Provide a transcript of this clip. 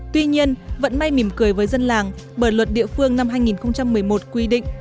tuy nhiên vẫn may mỉm cười với dân làng bởi luật địa phương năm hai nghìn một mươi một quy định